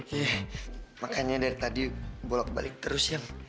hmm makanya dari tadi bolak balik terus ya